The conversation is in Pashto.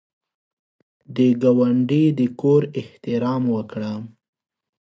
د ګاونډي د کور احترام وکړه